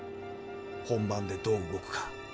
本番でどう動くか。